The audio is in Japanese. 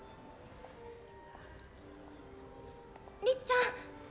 りっちゃん！